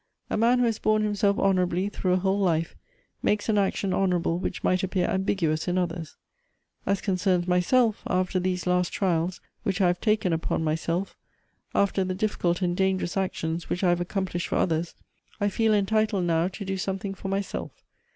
A man who has borne himself honorably through a whole life, makes an action honorable which might appear ambiguous in others. As concerns myself, after these last trials which I have taken upon myself^ after the diffi cult and dangerous actions which I have accomplished for others, I feel entitled now to do something for myself.